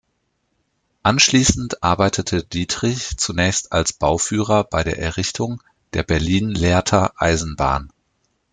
Anschließend arbeitete Dietrich zunächst als Bauführer bei der Errichtung der Berlin-Lehrter Eisenbahn.